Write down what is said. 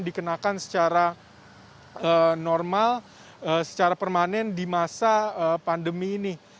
dikenakan secara normal secara permanen di masa pandemi ini